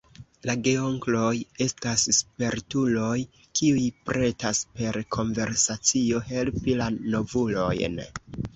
La geonkloj estas spertuloj, kiuj pretas per konversacio helpi la novulojn.